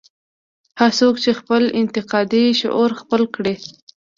هر څوک دې خپل انتقادي شعور خپل کړي.